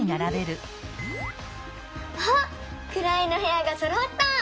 あっくらいのへやがそろった！